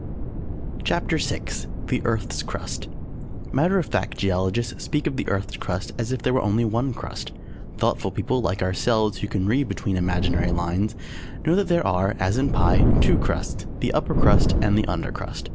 _ CHAPTER VI THE EARTH'S CRUST Matter of fact Geologists speak of the Earth's Crust as if there were only one Crust. Thoughtful people (like ourselves) who can read between imaginary lines, know that there are (as in a pie) two Crusts, the Upper Crust and the Under Crust.